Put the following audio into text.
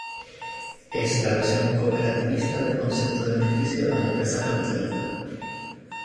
Es la versión cooperativista del concepto de beneficio de las empresas capitalistas.